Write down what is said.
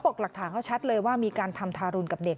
หลักฐานเขาชัดเลยว่ามีการทำทารุณกับเด็ก